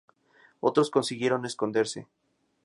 Otros consiguieron esconderse.